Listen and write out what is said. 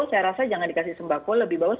saya rasa jangan dikasih sembako lebih bagus